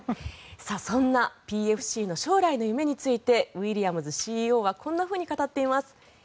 そんなＰＦＣの将来の夢についてウィリアムズＣＥＯはこんなふうに語っています。